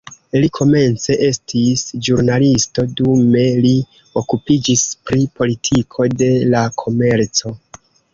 Li komence estis ĵurnalisto, dume li okupiĝis pri politiko de la komerco.